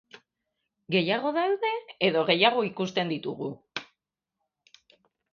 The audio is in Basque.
Gehiago daude edo gehiago ikusten ditugu?